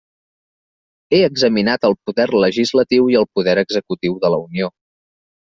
He examinat el poder legislatiu i el poder executiu de la Unió.